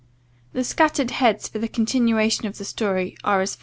The scattered heads for the continuation of the story, are as follow.